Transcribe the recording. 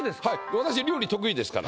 私料理得意ですから。